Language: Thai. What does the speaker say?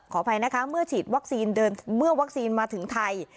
อภัยนะคะเมื่อฉีดวัคซีนเมื่อวัคซีนมาถึงไทย